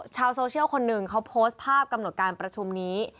ชาวโซเชียลคนหนึ่งเขาโพสต์ภาพกำหนดการประชุมนี้